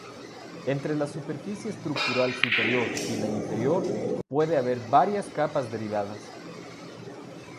Entre la superficie estructural superior y la inferior puede haber varias capas derivadas.